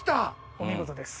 お見事です。